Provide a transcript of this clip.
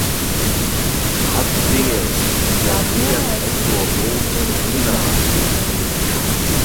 Ak, dievs, ja vien es to būtu zinājusi!